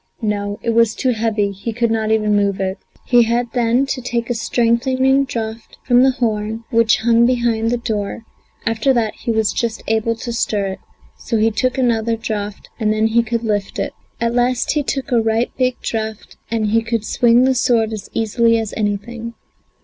No, it was too heavy, he could not even move it. He had then to take a strengthening draught from the horn, which hung behind the door; after that he was just able to stir it, so he took another draught, and then he could lift it. At last he took a right, big draught, and he could swing the sword as easily as anything.